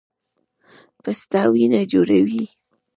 پسته وینه جوړوي